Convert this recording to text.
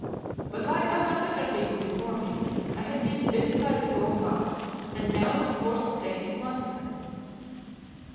But like other better people before me, I had been bitten by the gold bug, and now was forced to take the consequences.